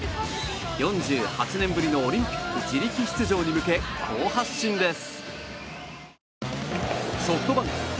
４８年ぶりのオリンピック自力出場に向け好発進です。